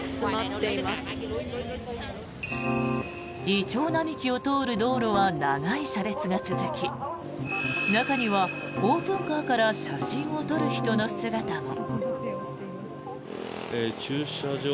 イチョウ並木を通る道路は長い車列が続き中にはオープンカーから写真を撮る人の姿も。